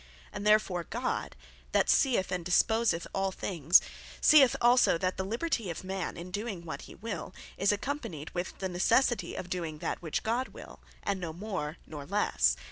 And therefore God, that seeth, and disposeth all things, seeth also that the Liberty of man in doing what he will, is accompanied with the Necessity of doing that which God will, & no more, nor lesse.